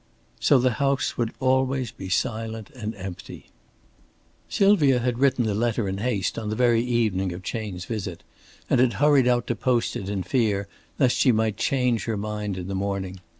So the house would always be silent and empty. Sylvia had written the letter in haste on the very evening of Chayne's visit, and had hurried out to post it in fear lest she might change her mind in the morning.